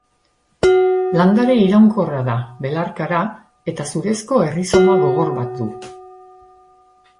Landare iraunkorra da, belarkara, eta zurezko errizoma gogor bat du.